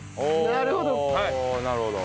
なるほど！